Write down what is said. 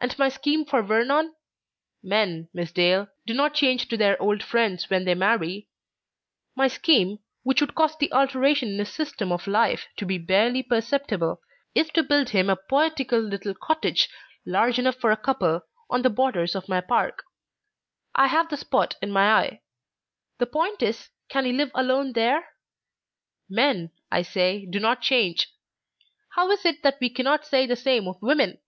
And my scheme for Vernon men, Miss Dale, do not change to their old friends when they marry my scheme, which would cause the alteration in his system of life to be barely perceptible, is to build him a poetical little cottage, large enough for a couple, on the borders of my park. I have the spot in my eye. The point is, can he live alone there? Men, I say, do not change. How is it that we cannot say the same of women?"